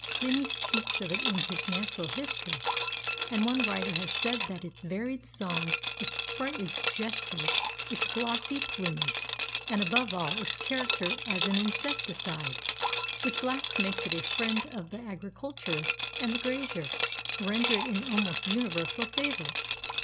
Pliny speaks of it in his Natural History, and one writer has said that "its varied song, its sprightly gestures, its glossy plumage, and, above all its character as an insecticide—which last makes it a friend of the agriculturist and the grazier—render it an almost universal favorite."